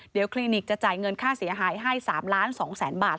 เดี๋ยวคลินิกจะจ่ายเงินค่าเสียหายให้๓ล้าน๒แสนบาท